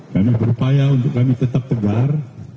kami berupaya untuk kami tetap tegar